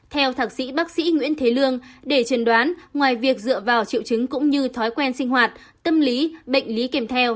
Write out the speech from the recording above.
theo thạc sĩ bác sĩ nguyễn thế lương để trần đoán ngoài việc dựa vào triệu chứng cũng như thói quen sinh hoạt tâm lý bệnh lý kèm theo